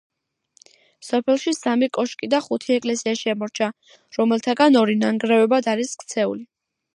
სოფელში სამი კოშკი და ხუთი ეკლესია შემორჩა, რომელთაგან ორი ნანგრევებად არის ქცეული.